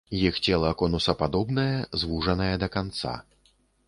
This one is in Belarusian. Іх цела конусападобнае, звужанае да канца.